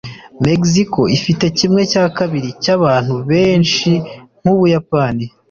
mexico ifite kimwe cya kabiri cyabantu benshi nku buyapani